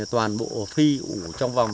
toàn bộ phi ủ trong vòng